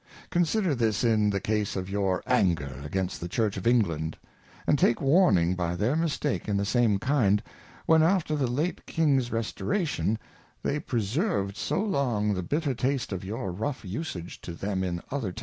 Consider this in the Case of your Anger agamsf'ffie Church of England, and take warning by~ their MistaTtp in the same ki nd, when after the l ate Kin g's Restauratio n, they prjserved BaJxing^theJbitter Taste of_ _yjauj rough Usage to th em in_otb.er.